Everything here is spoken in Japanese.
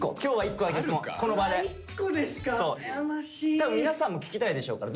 多分皆さんも聞きたいでしょうから。